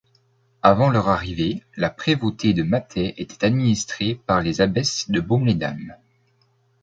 Avant leur arrivée, la prévôté de Mathay était administrée par les abbesses de Baume-les-Dames.